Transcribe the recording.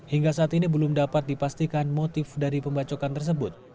hingga saat ini belum dapat dipastikan motif dari pembacokan tersebut